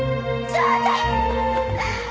翔太！